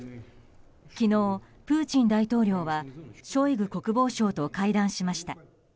昨日、プーチン大統領はショイグ国防相と会談しました。